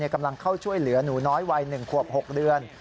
กำลังเข้าช่วยเหลือหนูน้อยวัย๑ขวบ๖เดือน